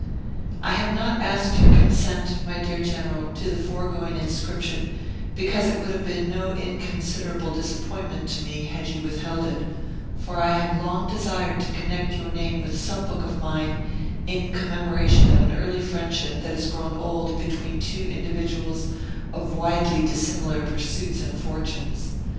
I have not asked your consent, my dear General, to the foregoing inscription, because it would have been no inconsiderable disappointment to me had you withheld it; for I have long desired to connect your name with some book of mine, in commemoration of an early friendship that has grown old between two individuals of widely dissimilar pursuits and fortunes.